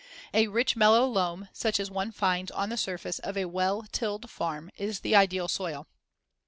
A rich mellow loam, such as one finds on the surface of a well tilled farm, is the ideal soil.